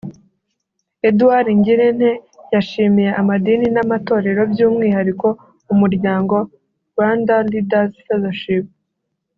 Edward Ngirente yashimiye amadini n’amatorero by’umwihariko Umuryango ’Rwanda Leaders Fellowship’